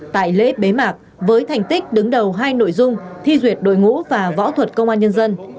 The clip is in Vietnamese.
tại lễ bế mạc với thành tích đứng đầu hai nội dung thi duyệt đội ngũ và võ thuật công an nhân dân